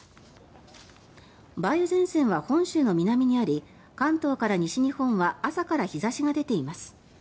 梅雨前線は本州の南にあり関東から西日本は朝から日差しが出ています。